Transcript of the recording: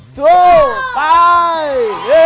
สู้ไป